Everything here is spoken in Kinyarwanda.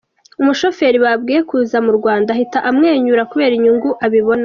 Umushoferi babwiye kuza mu Rwanda ahita amwenyura kubera inyungu abibonamo.